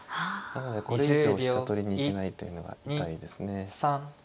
なのでこれ以上飛車取りに行けないというのが痛いですね。